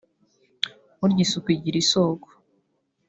Burya isuku igira isoko